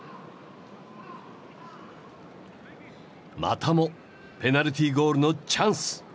またもペナルティーゴールのチャンス。